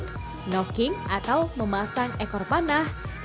knocking atau memasang ekor panah